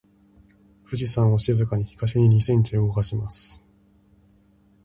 富士山を静かに東に二センチ動かします。